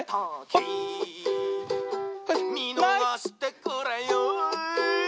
「みのがしてくれよぉ」